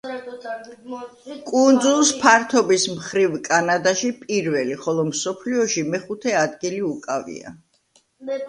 კუნძულს ფართობის მხრივ კანადაში პირველი, ხოლო მსოფლიოში მეხუთე ადგილი უკავია.